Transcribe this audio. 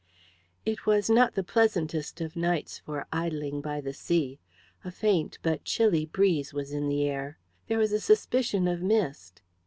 It was not the pleasantest of nights for idling by the sea. A faint, but chilly, breeze was in the air. There was a suspicion of mist.